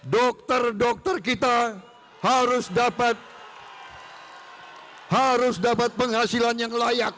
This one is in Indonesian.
dokter dokter kita harus dapat penghasilan yang layak